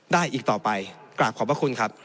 ได้อีกต่อไปกราบขอบพระคุณครับ